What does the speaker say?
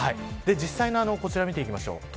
実際こちらを見ていきましょう。